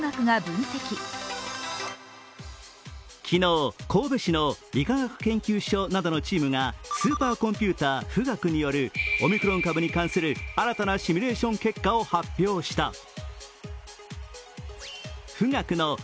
昨日、神戸市の理化学研究所などのチームがスーパーコンピューター・富岳によるオミクロン株に関する新たなシミュレーション結果を発表した。